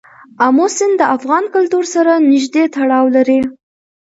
آمو سیند د افغان کلتور سره نږدې تړاو لري.